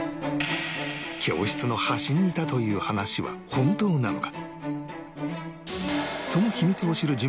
教室の端にいたという話は本当なのか？